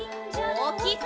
おおきく！